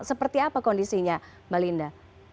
seperti apa kondisinya mbak linda